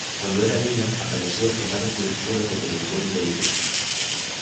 Cuando era niña apareció en varias producciones de televisión y película.